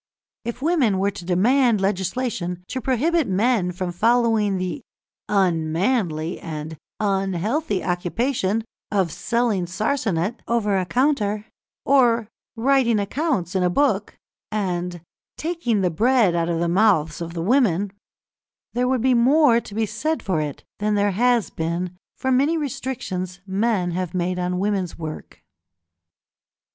If women were to demand legislation to prohibit men from following the "unmanly" and "unhealthy" occupation of selling sarsanet over a counter, or writing accounts in a book, and "taking the bread out of the mouths of the women," there would be more to be said for it than there has been for many restrictions men have made on women's work.